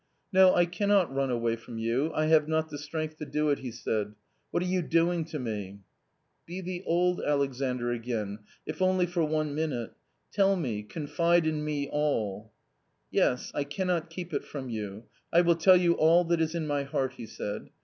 " No, I cannot run away from you ; I have not the strength to do it," he said ;" what are you doing to me ?"" Be the old Alexandr again, if only for one minute. Tell me, confide in me all." u Yes, I cannot keep it from you ; I will tell you all that is in my heart," he said.